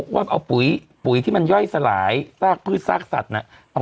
ว่าเอาปุ๋ยปุ๋ยที่มันย่อยสลายซากพืชซากสัตว์น่ะ